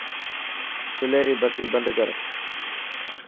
چلي ري بتي بند ڪر.